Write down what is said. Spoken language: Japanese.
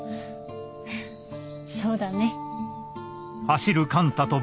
そうだね。